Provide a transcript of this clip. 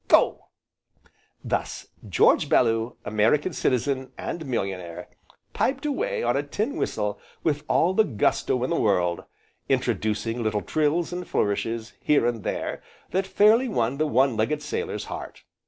go!" Thus, George Bellew, American citizen, and millionaire, piped away on a tin whistle with all the gusto in the world, introducing little trills, and flourishes, here and there, that fairly won the one legged sailor's heart.